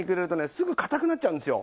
すぐ硬くなっちゃうんですよ。